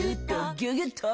「ギュギュッと！」